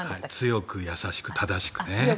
強く優しく正しくね。